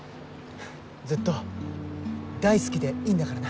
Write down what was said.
ずっと大好きでいいんだからな。